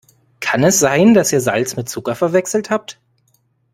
Kann es sein, dass ihr Salz mit Zucker verwechselt habt?